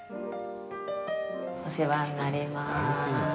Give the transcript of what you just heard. お世話になります。